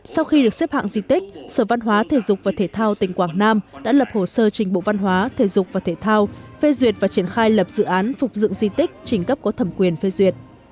sau khi được xếp hạng di tích sở văn hóa thể dục và thể thao tỉnh quảng nam đã lập hồ sơ trình bộ văn hóa thể dục và thể thao phê duyệt và triển khai lập dự án phục dựng di tích trình cấp có thẩm quyền phê duyệt